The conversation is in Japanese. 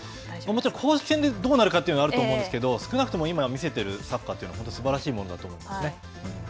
もちろん公式戦でどうなるかというのは、あると思うんですけれども、少なくとも今見せているサッカーというのは、本当すばらしいものだと思っていますね。